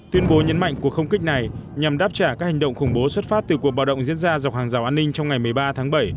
tuyên bố nhấn mạnh cuộc không kích này nhằm đáp trả các hành động khủng bố xuất phát từ cuộc bạo động diễn ra dọc hàng rào an ninh trong ngày một mươi ba tháng bảy